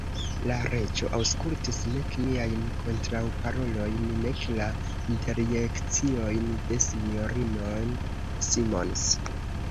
La Reĝo aŭskultis nek miajn kontraŭparolojn, nek la interjekciojn de S-ino Simons.